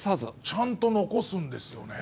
ちゃんと残すんですよね。